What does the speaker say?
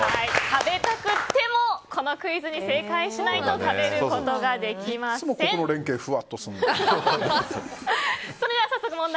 食べたくてもこのクイズに正解しないと食べることができません。